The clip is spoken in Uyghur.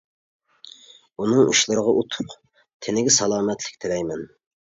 ئۇنىڭ ئىشلىرىغا ئۇتۇق، تېنىگە سالامەتلىك تىلەيمەن.